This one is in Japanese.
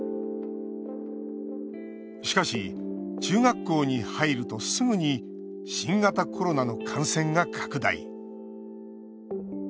しかし、中学校に入るとすぐに新型コロナの感染が拡大。